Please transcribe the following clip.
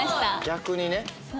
逆にね。